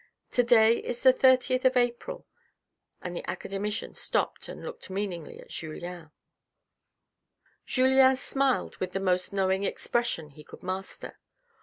To day is the thirtieth of April !" and the academician stopped and looked meaningly at Julien. Julien smiled with the most knowing expression he could master.